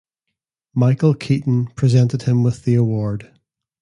Michael Keaton presented him with the Award.